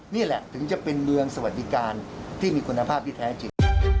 นี่แหละถึงจะเป็นเมืองสวัสดิการที่มีคุณภาพที่แท้จริง